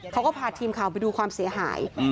เขาก็พาทีมข่าวไปดูความเสียหาย